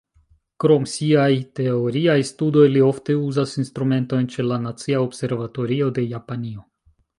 Krom siaj teoriaj studoj, li ofte uzas instrumentojn ĉe la Nacia Observatorio de Japanio.